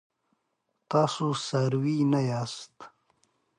تاسي څاروي نه یاست.